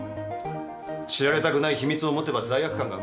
知られたくない秘密を持てば罪悪感が生まれる。